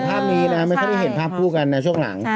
ภาพนี้นะไม่ค่อยได้เห็นภาพคู่กันนะช่วงหลัง